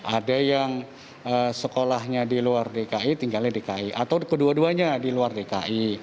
ada yang sekolahnya di luar dki tinggalnya dki atau kedua duanya di luar dki